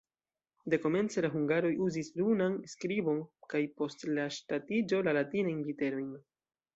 Dekomence la hungaroj uzis runan skribon kaj post la ŝtatiĝo la latinajn literojn.